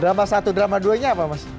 dramanya satu drama duinya apa mas